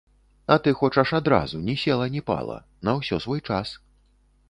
А ты хочаш адразу, ні села, ні пала, на ўсё свой час.